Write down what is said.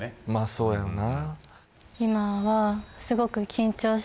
そうやろな